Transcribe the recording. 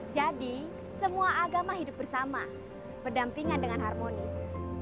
jadi semua agama hidup bersama berdampingan dengan harmonis